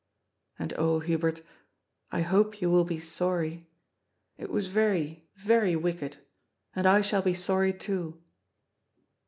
And, oh, Hubert, I hope you will be sorry. It was very, very wicked. And I shall be sorry too."